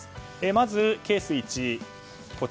まずケース１。